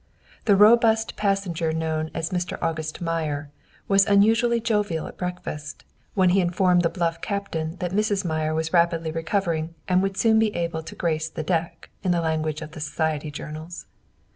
The robust passenger known as "Mr. August Meyer" was unusually jovial at breakfast, when he informed the bluff Captain that Mrs. Meyer was rapidly recovering and would soon be able "to grace the deck," in the language of the society journals.